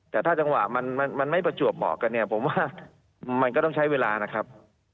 แต่ถ้าจังหวะมันไม่ประจวบเหมาะกันเนี่ยผมว่ามันก็ต้องใช้เวลานะครับ